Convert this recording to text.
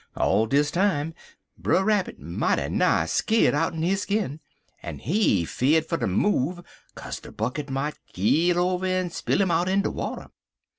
All dis time Brer Rabbit mighty nigh skeer'd outen his skin, en he fear'd fer ter move kaze de bucket might keel over en spill him out in de water.